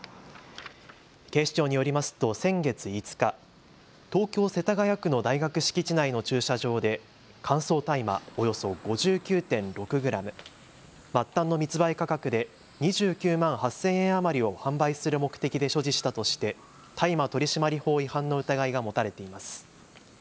警視庁によりますと、先月５日東京世田谷区の大学敷地内の駐車場で乾燥大麻およそ５９．６グラム、末端の密売価格で２９万８０００円余りを販売する目的で所持したとして大麻取締法違反の疑いが持たれています。